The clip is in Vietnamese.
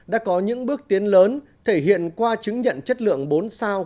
đã có những bước tiến lớn thể hiện qua chứng nhận chất lượng bốn sao